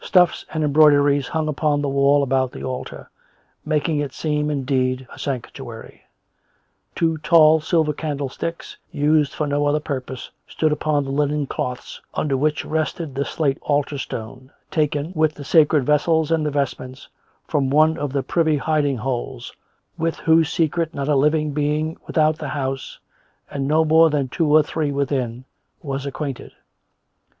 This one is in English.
Stuffs and embroideries hung upon the wall about the altar, making it seem, indeed, a sanctuary; two tall silver candles?ticks, used for no other purpose, stood upon the linen cloths, under which rested the slate altar stone, taken, with the sacred vessels and the vestments, from one of the privy hiding holes, with whose secret not a living being without the house, and not more than two or three within, was acquainted.